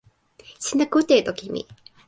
sina kute e toki mi.